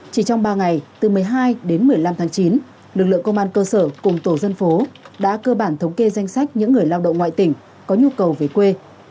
chỉ trong ba ngày từ một mươi hai đến một mươi năm tháng chín lực lượng công an cơ sở cùng tổ dân phố đã cơ bản thống kê danh sách những người lao động ngoại tỉnh có nhu cầu về quê